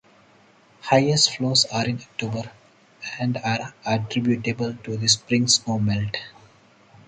Highest flows are in October and are attributable to the spring snow melt.